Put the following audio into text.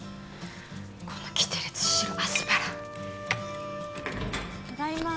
このキテレツ白アスパラただいま